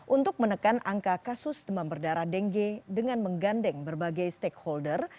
untuk menekan angka kasus demam berdarah dengue dengan menggandeng berbagai stakeholder